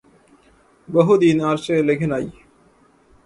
বহুদিন আর সে লেখে নাই।